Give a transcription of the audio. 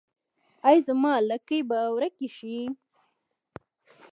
ایا زما لکې به ورکې شي؟